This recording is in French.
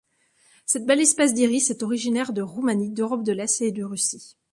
Cette belle espèce d'iris est originaire de Roumanie, d'Europe de l'Est et de Russie.